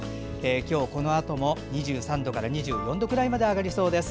今日このあとも２３度から２４度くらいまで上がりそうです。